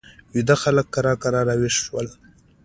ویده خلک کرار کرار را ویښ شول.